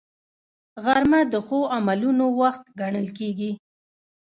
غرمه د ښو عملونو وخت ګڼل کېږي